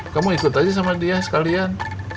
kamu ikut aja sama dia sekalian